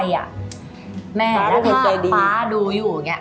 แล้วถ้าป๊าดูอยู่